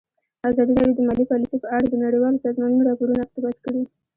ازادي راډیو د مالي پالیسي په اړه د نړیوالو سازمانونو راپورونه اقتباس کړي.